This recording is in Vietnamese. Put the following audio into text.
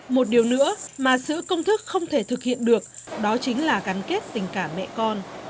một điều nữa mà sự công thức không thể thực hiện được đó chính là gắn kết tình cảm mẹ con